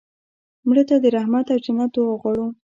مړه ته د رحمت او جنت دعا غواړو